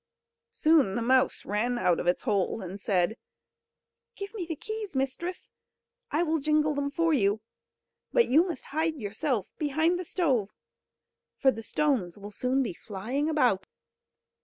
Soon the mouse ran out of its hole, and said: "Give me the keys, mistress, I will jingle them for you; but you must hide yourself behind the stove, for the stones will soon be flying about."